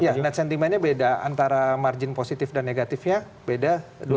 iya net sentimentnya beda antara margin positif dan negatifnya beda dua